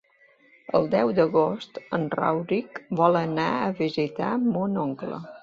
El deu d'agost en Rauric vol anar a visitar mon oncle.